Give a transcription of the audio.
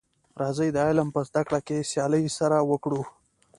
راځی د علم په زده کړه کي سیالي سره وکړو.